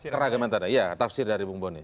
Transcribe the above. ke ragaman tadi ya tafsir dari bu boni